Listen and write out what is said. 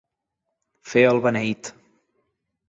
Fer el beneit.